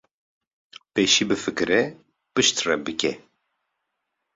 pêşî bifikire piştre bike